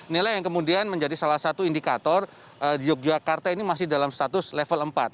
nilai yang kemudian menjadi salah satu indikator di yogyakarta ini masih dalam status level empat